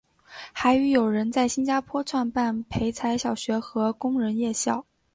还与友人在新加坡创办培才小学和工人夜校。